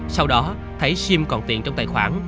sau đó thấy sim còn tiện trong tài khoản